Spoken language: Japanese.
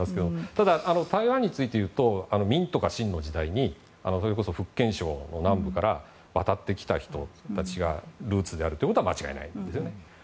ただ、台湾について言うと明とかシンの時代にそれこそ福建省の南部から渡ってきた人たちがルーツだということは間違いないですね。